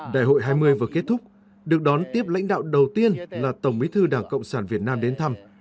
đại hội hai mươi vừa kết thúc được đón tiếp lãnh đạo đầu tiên là tổng bí thư đảng cộng sản việt nam đến thăm